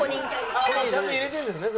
ああちゃんと入れてるんですね